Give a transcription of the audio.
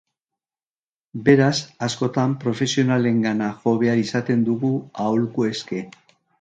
Beraz, askotan profesionalengana jo behar izaten dugu aholku eske.